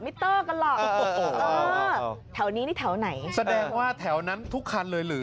อ่ะเท่านี้นี่แถวไหนก็แสดงว่าแถวนั้นทุกคันเลยหรือ